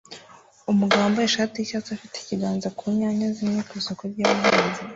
Umugabo wambaye ishati yicyatsi afite ikiganza ku nyanya zimwe ku isoko ryabahinzi